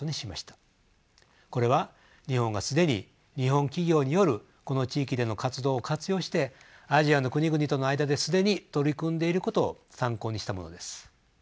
これは日本が既に日本企業によるこの地域での活動を活用してアジアの国々との間で既に取り組んでいることを参考にしたものです。